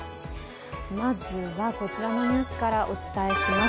まずは、こちらのニュースからお伝えします。